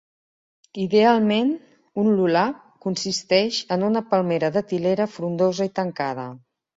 Idealment, un "lulav" consisteix en una palmera datilera frondosa i tancada.